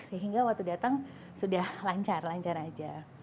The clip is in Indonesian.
sehingga waktu datang sudah lancar lancar aja